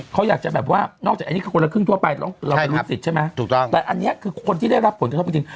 เขาอยากจะแบบว่านอกจากอันนี้คือคนละครึ่งทั่วไปเราไปลุ้นสิทธิ์ใช่ไหมถูกต้องแต่อันนี้คือคนที่ได้รับผลกระทบจริง